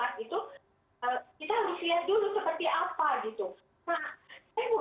ya kemudian juga mandat dari polisi itu mengendalikan ketertiban dan substancedie social di masyarakat ya